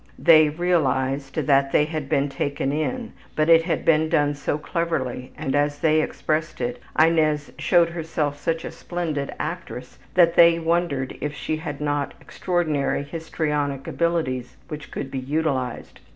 '' They realized that they had been taken in, but it had been done so cleverly, and, as they expressed it, Inez showed herself such a splendid actress, that they wondered if she had not extraordinary histrionic abilities which could be utilized.